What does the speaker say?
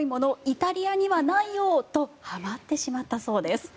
イタリアにはないよ！とはまってしまったそうです。